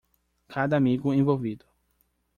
Cada amigo envolvido